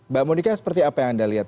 mbak monika seperti apa yang anda lihat